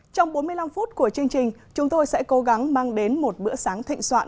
trong bốn mươi năm phút của chương trình chúng tôi sẽ cố gắng mang đến một bữa sáng thịnh soạn